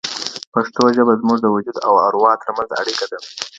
پښتو ژبه زموږ د وجود او اروا ترمنځ اړیکه ده